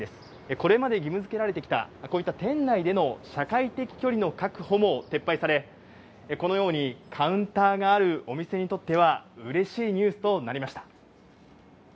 これまで義務づけられてきた、こういった店内での社会的距離の確保も撤廃され、このようにカウンターがあるお店にとってはうれしいニュースとなりました。